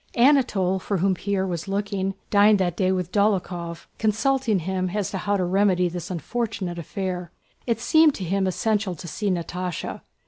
Anatole, for whom Pierre was looking, dined that day with Dólokhov, consulting him as to how to remedy this unfortunate affair. It seemed to him essential to see Natásha.